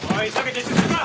撤収するぞ！